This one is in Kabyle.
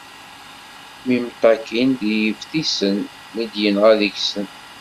Mi mṭakin deg yeftisen, mi d-yenɣa deg-sen.